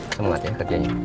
semangat ya hatinya